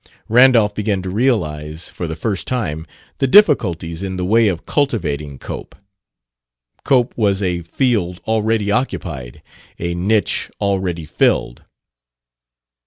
Randolph began to realize, for the first time, the difficulties in the way of "cultivating" Cope. Cope was a field already occupied, a niche already filled.